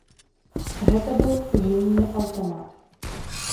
Гэта быў вінны аўтамат.